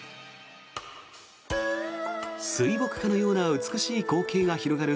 水墨画のような美しい光景が広がる